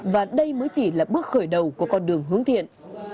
và đây mới chỉ là bước khởi đầu của con đường hướng thiện